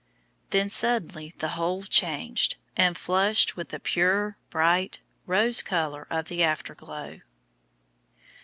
Then suddenly the whole changed, and flushed with the pure, bright, rose color of the afterglow.